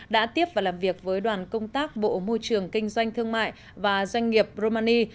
đã tiếp và làm việc với đoàn công tác bộ môi trường kinh doanh thương mại và doanh nghiệp romani